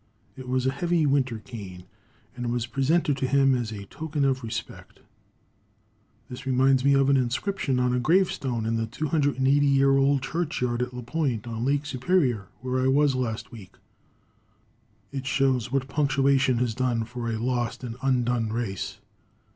It was a heavy winter cane, and was presented to him as a token of respect. This reminds me of the inscription on a grave stone in the 280 year old churchyard at LaPointe, on Lake Superior, where I was last week. It shows what punctuation has done for a lost and undone race.